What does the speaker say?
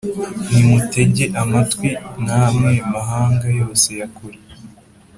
Nimutege amatwi, namwe mahanga yose ya kure!